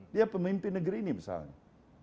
dia pemimpin negeri ini misalnya